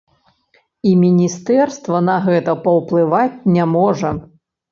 І міністэрства на гэта паўплываць не можа.